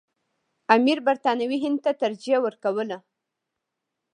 امیر برټانوي هند ته ترجیح ورکوله.